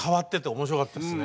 面白かったですね。